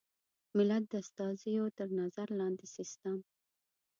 ملت د استازیو تر نظر لاندې سیسټم.